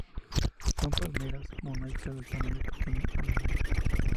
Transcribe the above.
Son palmeras monoicas de tamaño pequeño a mediano.